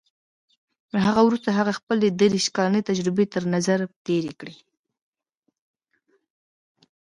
تر هغه وروسته هغه خپلې دېرش کلنې تجربې تر نظر تېرې کړې.